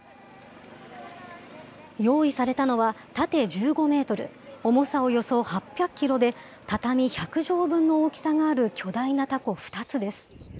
用意されたのは、縦１５メートル、重さおよそ８００キロで、畳み１００畳分の大きさがある巨大なたこ２つです。